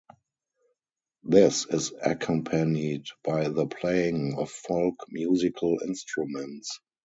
This is accompanied by the playing of folk musical instruments.